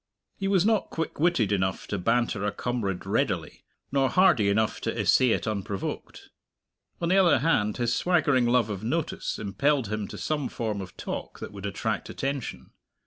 He was not quick witted enough to banter a comrade readily, nor hardy enough to essay it unprovoked; on the other hand, his swaggering love of notice impelled him to some form of talk that would attract attention.